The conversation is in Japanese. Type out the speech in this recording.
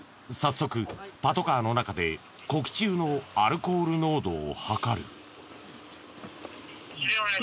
早速パトカーの中で呼気中のアルコール濃度を測る。